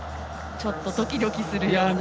ちょっとドキドキするような。